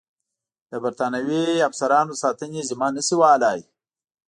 د برټانوي افسرانو د ساتنې ذمه نه شي وهلای.